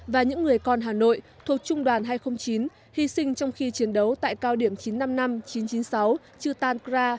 và những người con hà nội thuộc trung đoàn hai trăm linh chín hy sinh trong khi chiến đấu tại cao điểm chín trăm năm mươi năm chín trăm chín mươi sáu chư tan kra